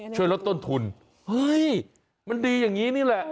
ช่วยลดต้นทุนเฮ้ยมันดีอย่างนี้นี่แหละ